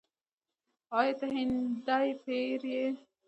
“آیا ته هندی پیر یې؟”